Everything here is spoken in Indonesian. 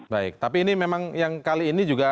baik tapi ini memang yang kali ini juga